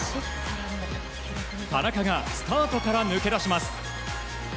田中がスタートから抜け出します。